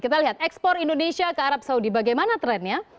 kita lihat ekspor indonesia ke arab saudi bagaimana trennya